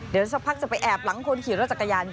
เดี๋ยวสักพักจะไปแอบหลังคนขี่รถจักรยานยน